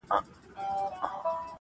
پر څښتن دسپي دي وي افرینونه.